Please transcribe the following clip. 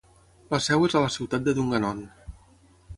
La seu és a la ciutat de Dungannon.